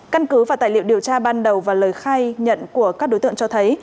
căn cứ và tài liệu điều tra ban đầu và lời khai nhận của các đối tượng cho thấy